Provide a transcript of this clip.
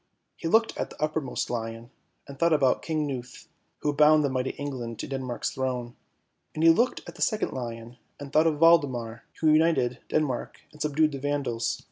" He looked at the uppermost lion, and thought about King Knuth who bound the mighty England to Denmark's throne; and he looked at the second lion and thought of Waldemar, who united Denmark and subdued the Vandals.